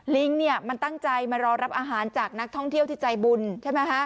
ลิงเนี่ยมันตั้งใจมารอรับอาหารจากนักท่องเที่ยวที่ใจบุญใช่ไหมฮะ